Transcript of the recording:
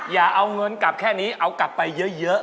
อย่าเอาเงินกลับแค่นี้เอากลับไปเยอะ